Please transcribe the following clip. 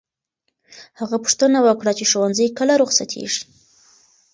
هغه پوښتنه وکړه چې ښوونځی کله رخصتېږي.